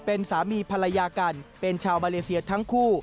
เป็นสามีภรรยากันเป็นชาวมาเลเซียทั้งคู่